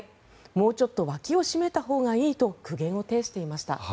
もうちょっと脇を締めたほうがいいと苦言を呈していました。